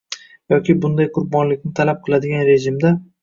yoki bunday qurbonlikni talab qiladigan rejimda